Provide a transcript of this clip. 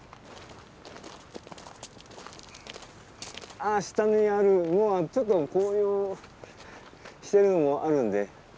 あ下にあるのはちょっと紅葉してるのもあるんで。